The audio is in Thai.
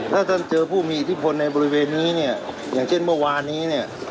ถ้าท่านเจอผู้มีอิทธิพลในบริเวณนี้เนี่ยอย่างเช่นเมื่อวานนี้เนี่ย